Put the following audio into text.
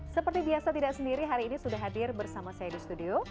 seperti biasa tidak sendiri hari ini sudah hadir bersama saya di studio